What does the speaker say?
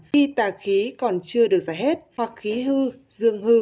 bi tà khí còn chưa được giải hết hoặc khí hư dương hư